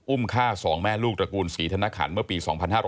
ฆ่า๒แม่ลูกตระกูลศรีธนขันเมื่อปี๒๕๕๘